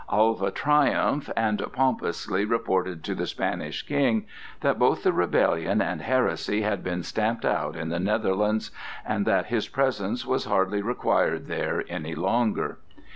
Alva triumphed and pompously reported to the Spanish King that both the rebellion and heresy had been stamped out in the Netherlands, and that his presence was hardly required there any longer.